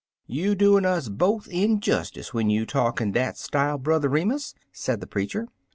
"You doin' us both injustice when you talk in that style. Brother Remus," said the preacher.